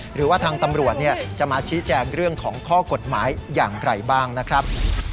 หรือว่าทางตำรวจจะมาชี้แจงเรื่องของข้อกฎหมายอย่างไรบ้างนะครับ